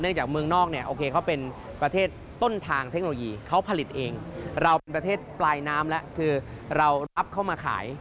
จากเมืองนอกเนี่ยโอเคเขาเป็นประเทศต้นทางเทคโนโลยีเขาผลิตเองเราเป็นประเทศปลายน้ำแล้วคือเรารับเข้ามาขาย